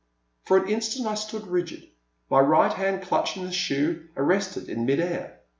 For an instant I stood rigid, my right hand clutching the shoe, arrested in mid air.